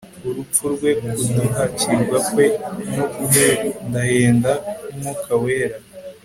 urupfu rwe kuduhakirwa kwe no guhendahenda kUmwuka Wera